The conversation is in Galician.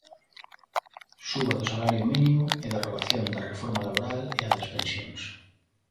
Suba do salario mínimo e derrogación da reforma laboral e a das pensións.